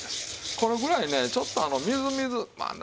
このぐらいねちょっとみずみずまあ夏